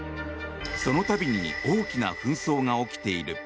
その度に大きな紛争が起きている。